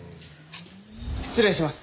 失礼します。